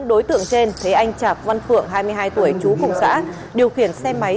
bốn đối tượng trên thấy anh chạp văn phượng hai mươi hai tuổi chú cùng xã